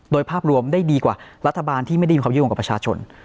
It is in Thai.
โดยภาพรวมได้ดีกว่ารัฐบาลที่ไม่ได้ยินความยุ่งกับประชาชน